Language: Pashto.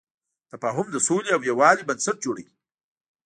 تفاهم د سولې او یووالي بنسټ جوړوي.